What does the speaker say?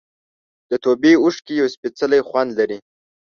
د توبې اوښکې یو سپېڅلی خوند لري.